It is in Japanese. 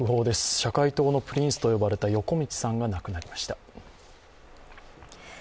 社会党のプリンスと呼ばれた横路さんが亡くなりました。